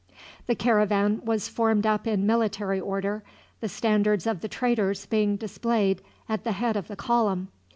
The caravan was formed up in military order, the standards of the traders being displayed at the head of the column.